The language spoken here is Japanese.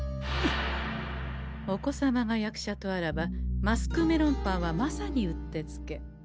お子様が役者とあらばマスク・メロンパンはまさにうってつけ。